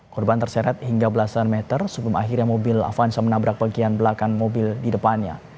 korban terseret hingga belasan meter sebelum akhirnya mobil avanza menabrak bagian belakang mobil di depannya